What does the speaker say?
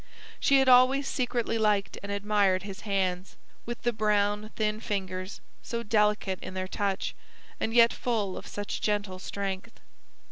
She had always secretly liked and admired his hands, with the brown thin fingers, so delicate in their touch and yet full of such gentle strength.